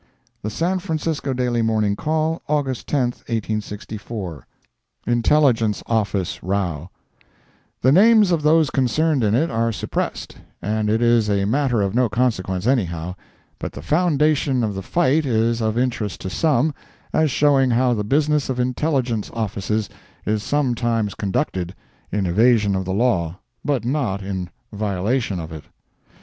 The San Francisco Daily Morning Call, August 10, 1864 INTELLIGENCE OFFICE ROW The names of those concerned in it are suppressed, and it is a matter of no consequence anyhow, but the foundation of the fight is of interest to some, as showing how the business of intelligence offices is some times conducted, in evasion of the law, but not in violation of it.